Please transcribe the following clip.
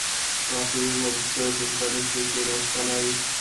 راته یې وویل ته دلته نه شې کېناستلای.